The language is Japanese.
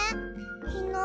きのう